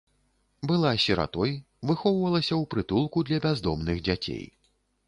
Была сіратой, выхоўвалася ў прытулку для бяздомных дзяцей.